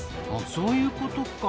そういうことか。